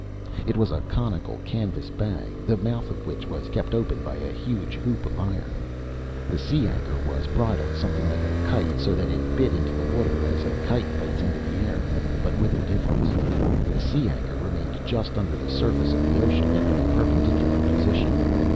It was a conical canvas bag, the mouth of which was kept open by a huge loop of iron. The sea anchor was bridled something like a kite, so that it bit into the water as a kite bites into the air, but with a difference. The sea anchor remained just under the surface of the ocean in a perpendicular position.